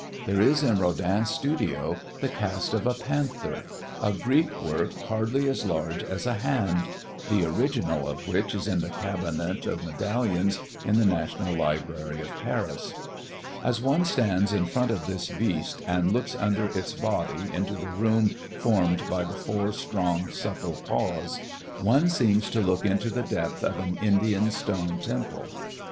There is in Rodin's studio the cast of a panther, a Greek work hardly as large as a hand (the original of which is in the cabinet of Medallions in the National Library of Paris); as one stands in front of this beast and looks under its body into the room formed by the four strong, supple paws, one seems to look into the depth of an Indian stone temple.